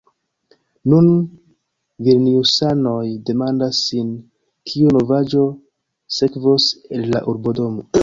Nun vilniusanoj demandas sin, kiu novaĵo sekvos el la urbodomo.